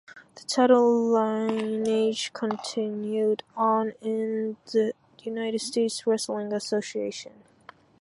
The title lineage continued on in the United States Wrestling Association.